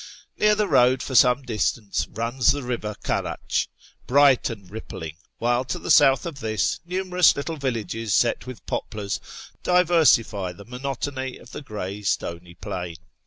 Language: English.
Kear the road for some distance runs the river Karach, bright and rippling ; while, to the south of this, numerous little villages set with poplars diversify the monotony of the gray stony plain.